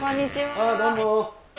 ああどうも。